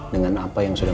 dengan apa yang sudah